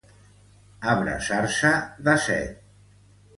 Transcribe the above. Abrasar-se de set.